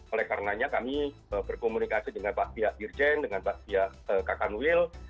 oleh karenanya kami berkomunikasi dengan pak pia dirjen dengan pak pia kak kanwil